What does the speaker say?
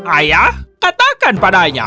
ayah katakan padanya